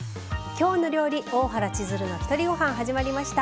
「きょうの料理大原千鶴のひとりごはん」始まりました。